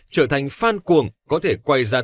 trở thành phan cuồng có thể quay ra